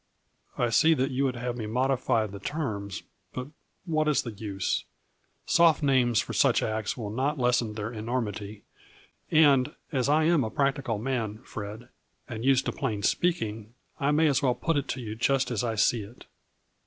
I see that you would have me modify the terms, but what is the use ? Soft names for such acts will not lessen their enormity and, as I am a practi cal man, Fred, and used to plain speaking, I 120 A FLURRY IN DIAMONDS. may as well put it to you just as I see it.